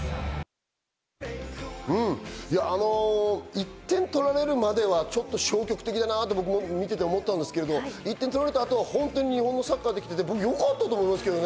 １点取られるまではちょっと消極的だなと僕も見てて思ったんですけど、１点取られたあと日本のサッカーができていて僕、よかったと思います。